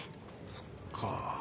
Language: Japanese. そっか。